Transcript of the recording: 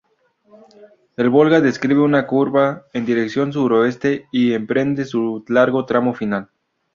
El Volga describe una curva en dirección Suroeste y emprende su largo tramo final.